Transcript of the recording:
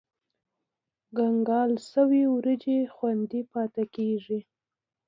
کنګل شوې وریجې خوندي پاتې کېږي.